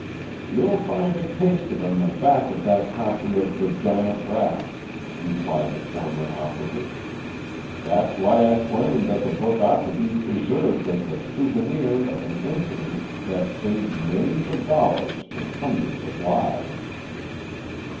"You'll find it pasted on the back of that copy of The Giant Raft," replied the former operative. "That's why I claim that the book ought to be preserved as a souvenir of an incident that saved millions of dollars and hundreds of lives."